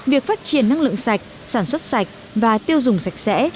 việc phát triển năng lượng sạch sản xuất sạch và tiêu dùng sạch sẽ